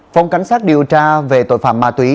phòng cảnh sát điều tra về tội phạm ma túy